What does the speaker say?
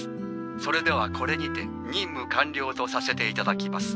それではこれにて任務完了とさせていただきます。